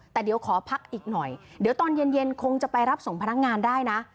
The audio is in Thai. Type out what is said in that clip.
แต่เดี๋ยวขอพักอีกหน่อยเดี๋ยวตอนเย็นคงจะไปรับส่งพนักงานได้นะ